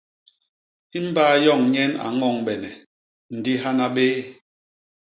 I mbay yoñ nyen a ñoñbene, ndi hana bé.